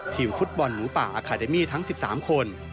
ทีมฟุตบอลหมูป่าอาคาเดมี่ทั้ง๑๓คน